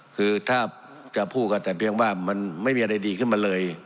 คือถ้าจะพูดกันแต่เพียงว่ามันไม่มีอะไรดีขึ้นมาเลย